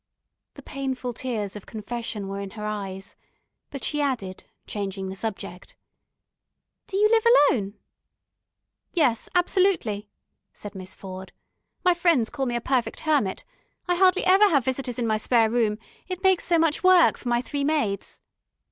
The painful tears of confession were in her eyes, but she added, changing the subject: "Do you live alone?" "Yes, absolutely," said Miss Ford. "My friends call me a perfect hermit. I hardly ever have visitors in my spare room, it makes so much work for my three maids."